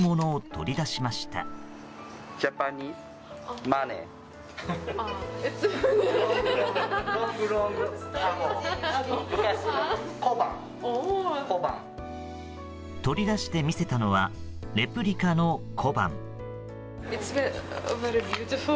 取り出して見せたのはレプリカの小判。